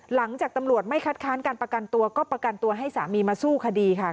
หลังจากตำรวจไม่คัดค้านการประกันตัวก็ประกันตัวให้สามีมาสู้คดีค่ะ